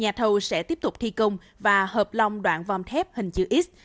nhà thầu sẽ tiếp tục thi công và hợp lòng đoạn vòm thép hình chữ s